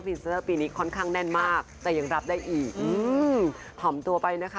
เซอร์ปีนี้ค่อนข้างแน่นมากแต่ยังรับได้อีกอืมหอมตัวไปนะคะ